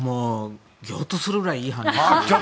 ギョッとするぐらいいい話。